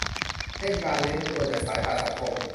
เช่นการเร้นตัวจากสายตาสังคม